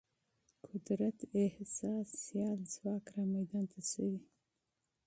قدرت احساس سیال ځواک رامیدان ته شوی.